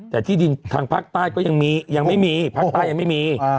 แต่ที่ดินทางภาคใต้ก็ยังไม่มีภาคใต้ยังไม่มี